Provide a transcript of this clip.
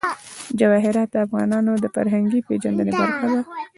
جواهرات د افغانانو د فرهنګي پیژندنې برخه ده.